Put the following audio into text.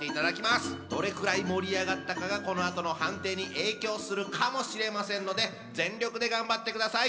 どれくらい盛り上がったかがこのあとの判定に影響するかもしれませんので全力で頑張ってください。